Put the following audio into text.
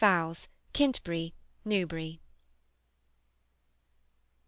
Fowle's, Kintbury, Newbury II.